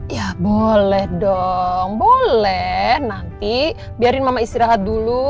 ya boleh dong boleh nanti biarin mama istirahat dulu